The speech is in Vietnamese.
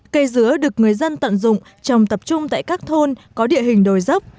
cây dứa được người dân tận dụng trồng tập trung tại các thôn có địa hình đồi dốc